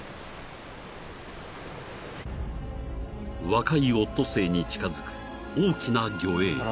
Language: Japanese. ［若いオットセイに近づく大きな魚影］